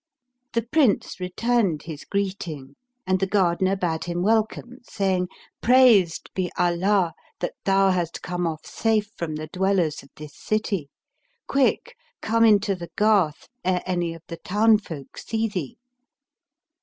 The Prince returned his greeting and the gardener bade him welcome, saying, "Praised be Allah that thou hast come off safe from the dwellers of this city! Quick, come into the garth, ere any of the townfolk see thee."